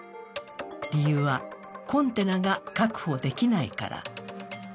理由は、コンテナが確保できないから。